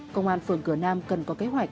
công an phường cửa nam cần có kế hoạch